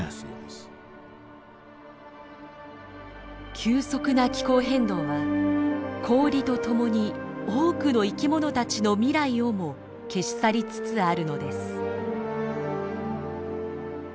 急速な気候変動は氷とともに多くの生きものたちの未来をも消し去りつつあるのです。